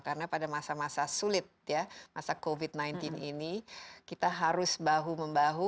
karena pada masa masa sulit ya masa covid sembilan belas ini kita harus bahu membahu